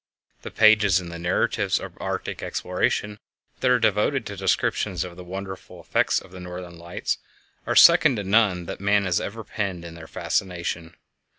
The pages in the narratives of Arctic exploration that are devoted to descriptions of the wonderful effects of the Northern Lights are second to none that man has ever penned in their fascination.